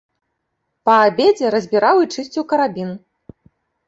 Па абедзе разбіраў і чысціў карабін.